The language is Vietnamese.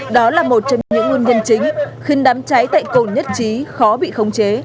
đó là một trong những nguyên nhân chính khiến đám cháy tại cồn nhất trí khó bị khống chế